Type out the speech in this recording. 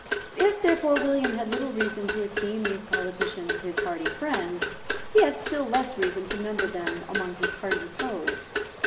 If therefore William had little reason to esteem these politicians his hearty friends, he had still less reason to number them among his hearty foes.